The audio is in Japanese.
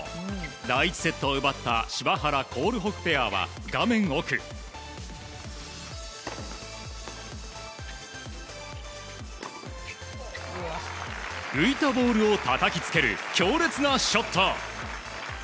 第１セットを奪った柴原、コールホフペアは浮いたボールをたたきつける強烈なショット。